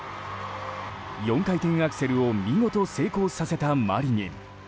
４回転アクセルを見事成功させたマリニン。